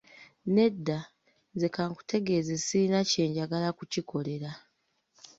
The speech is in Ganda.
Nedda, nze ka nkutegeeze sirina kye njagala kukikolera.